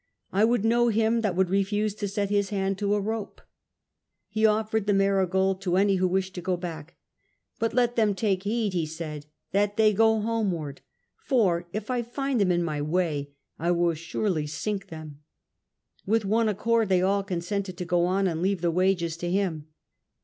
I would know him that would refuse to set his hand to a rope." He offered the MarygoU to any who wished to go back. "But let them take heed," he said, "that they go home ward. For if I find them in my way I will surely sink them." With one accord they all consented to go on and leave the wages to him.